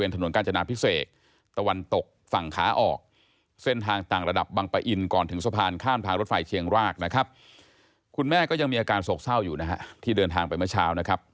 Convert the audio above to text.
ที่เดินทางไปเมื่อเช้านะครับ